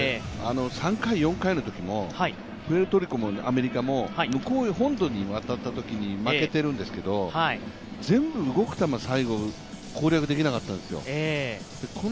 ３回４回のときも、プエルトリコもアメリカも本土へ渡ったときに負けているんですけど、全部動く球、最後に攻略できなかったんですよ。